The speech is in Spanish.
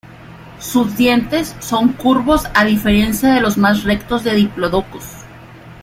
Sus dientes son curvos, a diferencia de los más rectos de "Diplodocus".